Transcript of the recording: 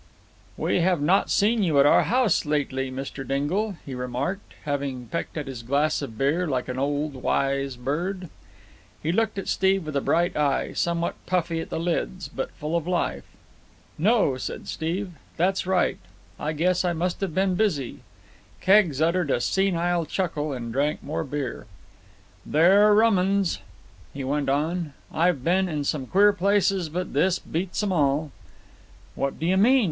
"We have not seen you at our house lately, Mr. Dingle," he remarked, having pecked at his glass of beer like an old, wise bird. He looked at Steve with a bright eye, somewhat puffy at the lids, but full of life. "No," said Steve. "That's right. Guess I must have been busy." Keggs uttered a senile chuckle and drank more beer. "They're rum uns," he went on. "I've been in some queer places, but this beats 'em all." "What do you mean?"